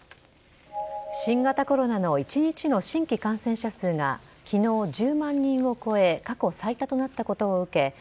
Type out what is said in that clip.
新型コロナの１日の新規感染者数が昨日、１０万人を超え過去最多となったことを受け